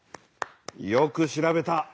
よく調べた。